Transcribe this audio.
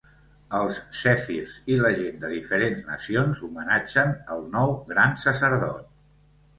Els zèfirs i la gent de diferents nacions homenatgen el nou gran sacerdot.